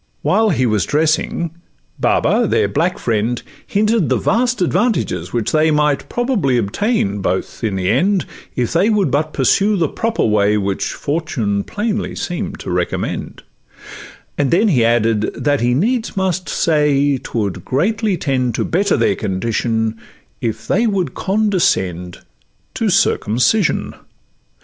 While he was dressing, Baba, their black friend, Hinted the vast advantages which they Might probably attain both in the end, If they would but pursue the proper way Which fortune plainly seem'd to recommend; And then he added, that he needs must say, ''Twould greatly tend to better their condition, If they would condescend to circumcision.